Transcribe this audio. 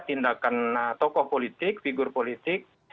tindakan tokoh politik figur politik